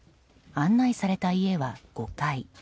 案内された家は５階。